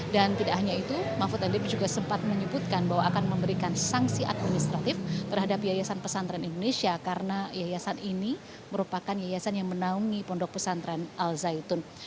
dan tidak hanya itu mahfud md juga sempat menyebutkan bahwa akan memberikan sanksi administratif terhadap yayasan pesantren indonesia karena yayasan ini merupakan yayasan yang menaungi pondok pesantren al zaitun